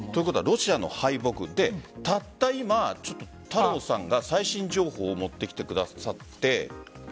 ロシアの敗北、たった今太郎さんが最新情報を持ってきてくださって。